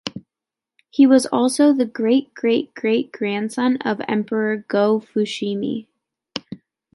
He was also the great-great-great grandson of Emperor Go-Fushimi.